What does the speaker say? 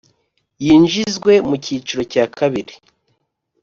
yinjizwe mu cyiciro cya kabiri